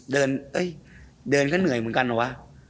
เดินเดินก็เหนื่อยเหมือนกันเหรอวะ